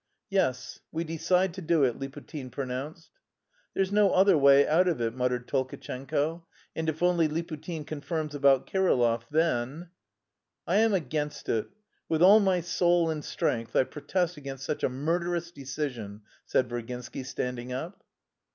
"Yes, we decide to do it," Liputin pronounced. "There's no other way out of it," muttered Tolkatchenko, "and if only Liputin confirms about Kirillov, then... "I am against it; with all my soul and strength I protest against such a murderous decision," said Virginsky, standing up.